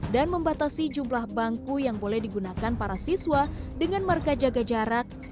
dan membatasi jumlah bangku yang boleh digunakan para siswa dengan marka jaga jarak